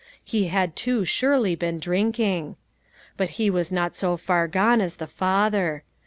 He had too surely been drinking. But he was not so far gone as the father.